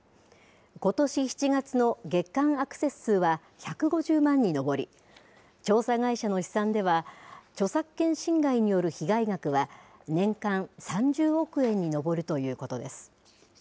ことし７月の月間アクセス数は１５０万に上り調査会社の試算では著作権侵害による被害額は年間３０億円に上るということです。